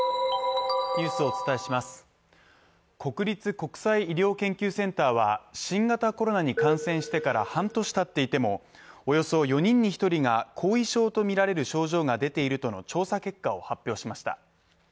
国立国際医療研究センターは新型コロナに感染してから半年たっていても、およそ４人に１人が後遺症とみられる症状が出ているとの調査結果を発表しました。